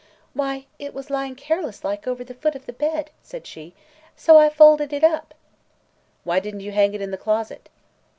"Why, it was lyin' careless like over the foot of the bed," said she, "so I folded it up." "Why didn't you hang it in the closet?"